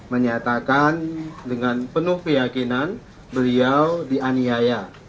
menyatakan dengan penuh keyakinan beliau dianiaya